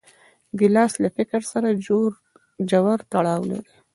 ګیلاس له فکر سره ژور تړاو لري.